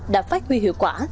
đã phát huy hiệu quả